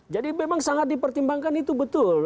jadi memang sangat dipertimbangkan itu betul